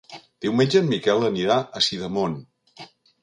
Diumenge en Miquel anirà a Sidamon.